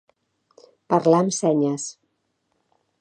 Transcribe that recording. Parlar amb senyes.